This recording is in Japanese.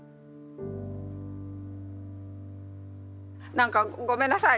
何かごめんなさい